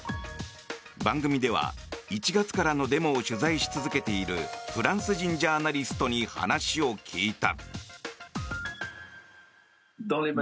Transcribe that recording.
番組では、１月からのデモを取材し続けているフランス人ジャーナリストに話を聞いた。